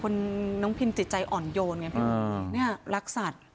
น้องพินจิตใจอ่อนโยนไงนี่ลักษัตริย์